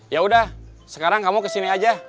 yaudah sekarang kamu kesini aja